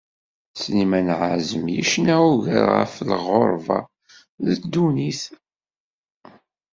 Sliman Ɛazem yecna ugar ɣef lɣerba d ddunnit.